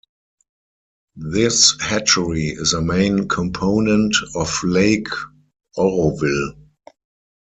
This hatchery is a main component of Lake Oroville.